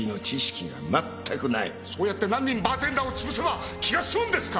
そうやって何人バーテンダーを潰せば気が済むんですか！！